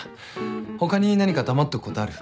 他に何か黙っとくことある？